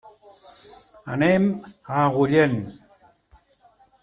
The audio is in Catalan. Anem a Agullent.